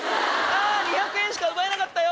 あ２００円しか奪えなかったよ。